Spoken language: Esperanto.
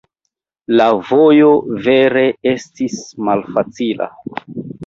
La vojo vere estis malfacila.